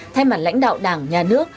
thay mặt lãnh đạo đảng nhà nước